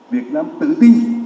việt nam tự tin